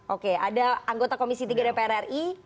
oke ada anggota komisi tiga dprri